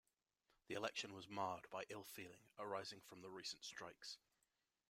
The election was marred by ill feeling arising from the recent strikes.